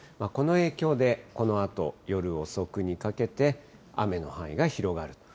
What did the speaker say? この影響でこのあと、夜遅くにかけて、雨の範囲が広がる。